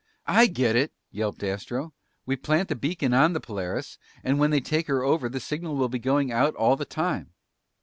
"I get it!" yelped Astro. "We plant the beacon on the Polaris, and when they take her over, the signal will be going out all the time."